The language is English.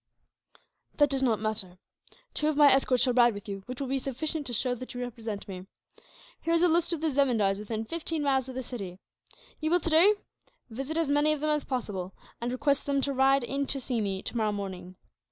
"That does not matter. Two of my escort shall ride with you, which will be sufficient to show that you represent me. Here is a list of the zemindars within fifteen miles of the city. You will, today, visit as many of them as possible, and request them to ride in to see me, tomorrow morning.